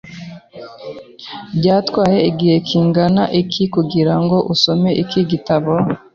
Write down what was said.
Byatwaye igihe kingana iki kugirango usome iki gitabo?